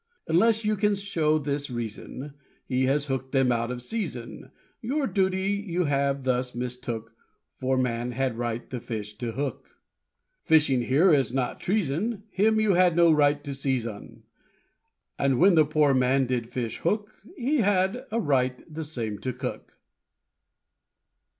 Unless you can show this reason, He has hooked them out of season, Your duty you have thus mistook, For man had right the fish to hook. Fishing here it is not treason, Him you had no right to seize on, And when the poor man did fish hook, He had a right the same to cook.